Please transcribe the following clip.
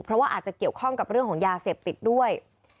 เพราะว่าอาจจะเกี่ยวข้องกับเรื่องของยาเสพติดด้วย